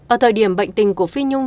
ở thời điểm bệnh tình của phi nhung